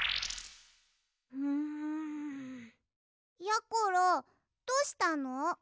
やころどうしたの？